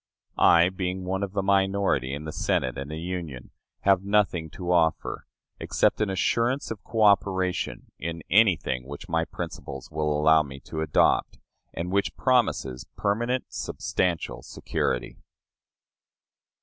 I, being one of the minority in the Senate and the Union, have nothing to offer, except an assurance of coöperation in anything which my principles will allow me to adopt, and which promises permanent, substantial security.